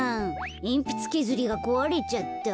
えんぴつけずりがこわれちゃった。